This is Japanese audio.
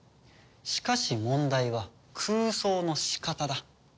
しかし問題は空想の仕方だ。